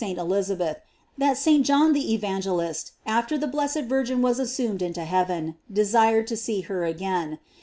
revealed to St. Elizabeth, that St. John the Evangelist, after the blessed Virgin was assumed into heaven, desired to see her again.